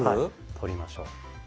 取りましょう。